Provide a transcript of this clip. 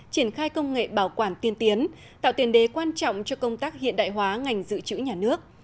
triển khai công nghệ bảo quản tiên tiến tạo tiền đề quan trọng cho công tác hiện đại hóa ngành dự trữ nhà nước